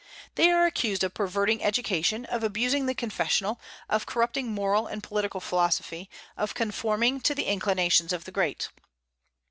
They are accused of perverting education, of abusing the confessional, of corrupting moral and political philosophy, of conforming to the inclinations of the great.